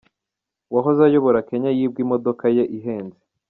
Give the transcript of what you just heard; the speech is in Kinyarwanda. Uwahoze ayobora Kenya yibwe imodoka ya Ihenze